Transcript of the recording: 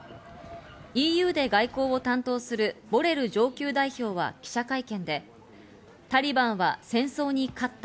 ＥＵで外交を担当するボレル上級代表は記者会見で、タリバンは戦争に勝った。